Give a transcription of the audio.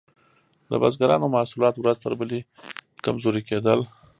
د بزګرانو محصولات ورځ تر بلې کمزوري کیدل.